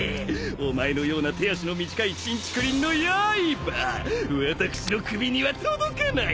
お前のような手足の短いちんちくりんのやいば私の首には届かない。